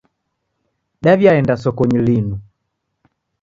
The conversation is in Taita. Daw'iaenda sokonyi linu.